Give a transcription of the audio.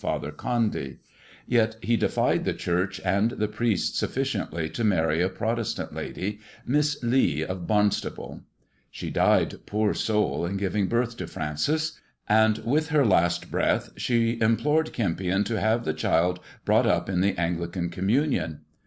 Father Condy. Yet he defied the Church and the priests 284 THE JESUIT AND THE MEXICAN COIN \ sufficiently to marry a Protestant lady — Miss Lee, of Barnstaple. She died, poor soul, in giving birth to Francis, and with her last breath she implored Kempion to have the child brought up in the Anglican communion.